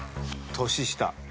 年下。